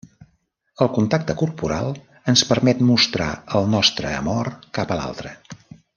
El contacte corporal ens permet mostrar el nostre amor cap a l'altre.